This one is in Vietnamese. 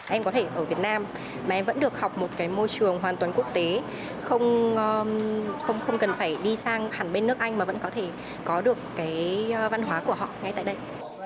em có thể ở việt nam mà em vẫn được học một cái môi trường hoàn toàn quốc tế không cần phải đi sang hẳn bên nước anh mà vẫn có thể có được cái văn hóa của họ ngay tại đây